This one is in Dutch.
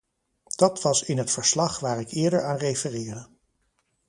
Dat was in het verslag waar ik eerder aan refereerde.